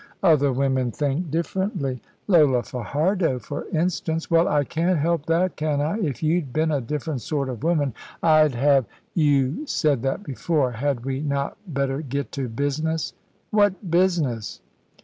"Other women think differently." "Lola Fajardo, for instance." "Well, I can't help that, can I? If you'd been a different sort of woman, I'd have " "You said that before. Had we not better get to business?" "What business?"